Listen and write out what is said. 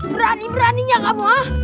berani beraninya kamu ha